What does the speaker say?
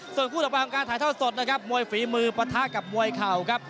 ส่วนคู่ต่อไปของการถ่ายทอดสดนะครับมวยฝีมือปะทะกับมวยเข่าครับ